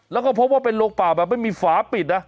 แล้วก็พบว่าเป็นโรงป่าแบบไม่มีฝาปิดนะ